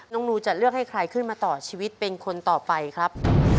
นูจะเลือกให้ใครขึ้นมาต่อชีวิตเป็นคนต่อไปครับ